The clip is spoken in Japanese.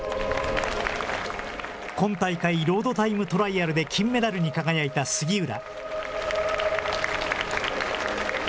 今大会、ロードタイムトライアルで金メダルに輝いた杉浦。